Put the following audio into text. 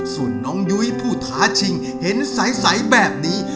ส่วนน้องยุ้ยผู้ท้าชิงเห็นใสแบบนี้